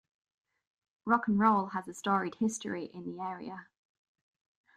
Rock'n'Roll has a storied history in the area.